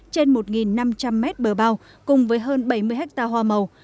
trên một năm trăm linh mét bờ bao cùng với hơn bảy mươi hectare hoa màu